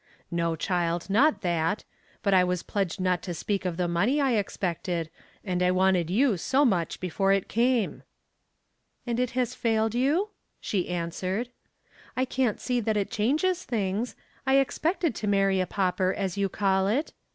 "No, child, not that. But I was pledged not to speak of the money I expected, and I wanted you so much before it came." "And it has failed you?" she answered. "I can't see that it changes things. I expected to marry a pauper, as you call it.